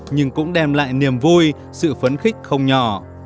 nhưng cũng đem lại niềm vui sự phấn khích không nhỏ